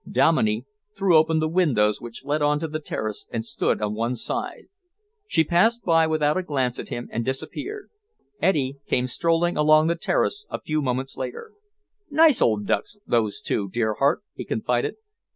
Dominey threw open the windows which led on to the terrace and stood on one side. She passed by without a glance at him and disappeared. Eddy came strolling along the terrace a few moments later. "Nice old ducks, those two, dear heart," he confided.